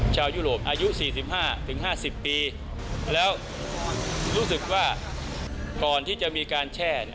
ยุโรปอายุ๔๕๕๐ปีแล้วรู้สึกว่าก่อนที่จะมีการแช่